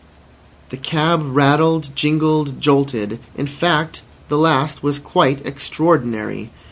The cab rattled, jingled, jolted; in fact, the last was quite extraordinary.